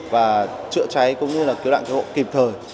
và chữa cháy cũng như là cứu nạn cứu hộ kịp thời